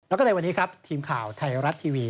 แล้วก็ในวันนี้ครับทีมข่าวไทยรัฐทีวี